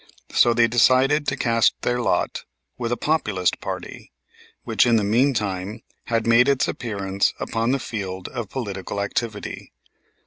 So they decided to cast their lot with the Populist party, which in the meantime had made its appearance upon the field of political activity.